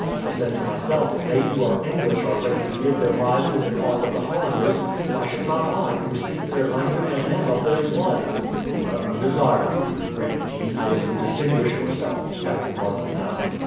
I said to myself if they who are English are ready to give their lives in the cause of the Hollanders, why should not I, who speak their language and am of their blood?" "You have no desire to do great deeds or to distinguish yourself?" Captain Martin asked.